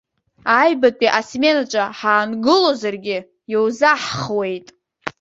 Аҩбатәи асменаҿы ҳаангылозаргьы, иузаҳхуеит.